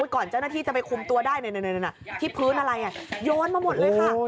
ก่อนเจ้าหน้าที่จะไปคุมตัวได้ที่พื้นอะไรโยนมาหมดเลยค่ะ